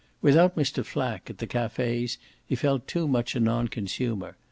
Without Mr. Flack, at the cafes, he felt too much a non consumer.